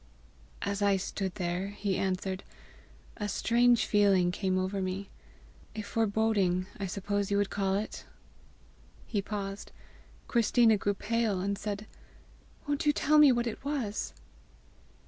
"As I stood there," he answered, "a strange feeling came over me a foreboding, I suppose you would call it!" He paused; Christina grew pale, and said, "Won't you tell me what it was?"